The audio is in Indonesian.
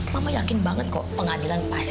mama yakin banget kok pengadilan pasti